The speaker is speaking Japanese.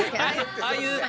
ああいう。